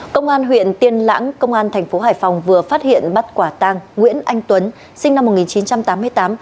cơ quan tp hải phòng vừa phát hiện bắt quả tang nguyễn anh tuấn sinh năm một nghìn chín trăm tám mươi tám